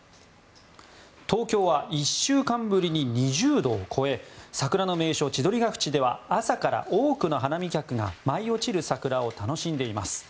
東京は１週間ぶりに２０度を超え桜の名所、千鳥ケ淵では朝から多くの花見客が舞い落ちる桜を楽しんでいます。